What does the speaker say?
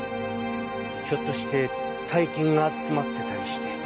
ひょっとして大金が詰まってたりして。